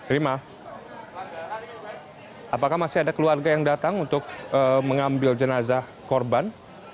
rima apakah masih ada keluarga yang datang untuk mengambil jenazah korban